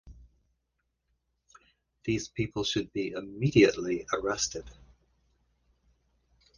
These people should be immediately arrested.